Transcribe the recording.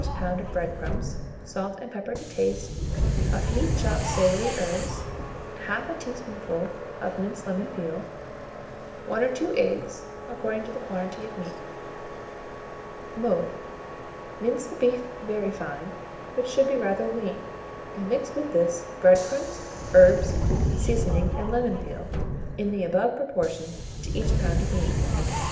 of bread crumbs, salt and pepper to taste, a few chopped savoury herbs, 1/2 a teaspoonful of minced lemon peel, 1 or 2 eggs, according to the quantity of meat. Mode. Mince the beef very fine, which should be rather lean, and mix with this bread crumbs, herbs, seasoning, and lemon peel, in the above proportion, to each pound of meat.